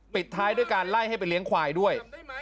ปิดท้ายด้วยการไล่ให้ไปเลี้ยงควายด้วย